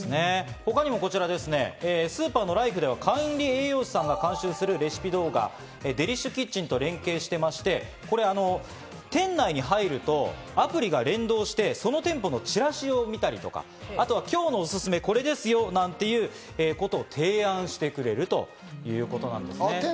他にもスーパーのライフでは、管理栄養士さんが監修するレシピ動画サービス、ＤＥＬＩＳＨＫＩＴＣＨＥＮと提携していまして、店内に入るとアプリが連動して、その店舗のチラシを見たりとか、今日のおすすめこれですよみたいなことを提案してくれるということです。